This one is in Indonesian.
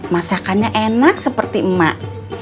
masakannya enak seperti emak